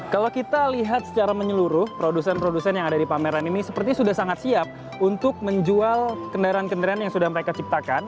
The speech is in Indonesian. kalau kita lihat secara menyeluruh produsen produsen yang ada di pameran ini sepertinya sudah sangat siap untuk menjual kendaraan kendaraan yang sudah mereka ciptakan